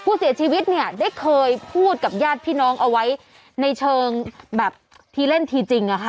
ผู้เสียชีวิตเนี่ยได้เคยพูดกับญาติพี่น้องเอาไว้ในเชิงแบบทีเล่นทีจริงอะค่ะ